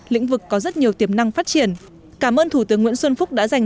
lĩnh vực có rất nhiều tiềm năng phát triển cảm ơn thủ tướng nguyễn xuân phúc đã dành